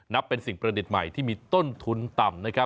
นับเป็นสิ่งประดิษฐ์ใหม่ที่มีต้นทุนต่ำ